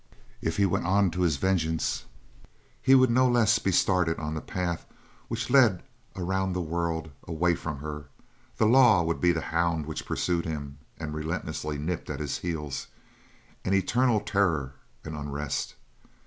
If he went on to his vengeance he would no less be started on the path which led around the world away from her. The law would be the hound which pursued him and relentlessly nipped at his heels an eternal terror and unrest.